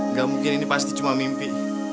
nggak mungkin ini pasti cuma mimpi